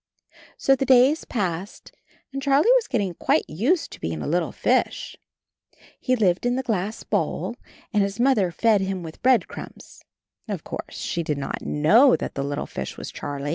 So the days passed and Charlie was get ting quite used to being a little fish. He lived in the glass bowl and his Mother fed him with bread crumbs — of course she did 34 CHARLIE not know that the little fish was Charlie.